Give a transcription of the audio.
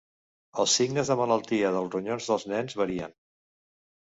Els signes de malaltia dels ronyons dels nens varien.